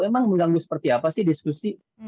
memang mengganggu seperti apa sih diskusi